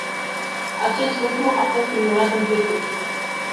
Acest lucru a fost ignorat în trecut.